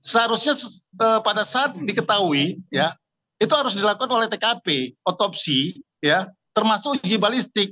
seharusnya pada saat diketahui ya itu harus dilakukan oleh tkp otopsi termasuk uji balistik